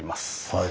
はい。